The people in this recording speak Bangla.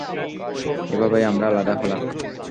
এভাবেই আমরা আলাদা হলাম।